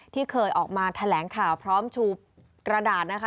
ที่เคยออกมาแถลงข่าวพร้อมชูกระดาษนะคะ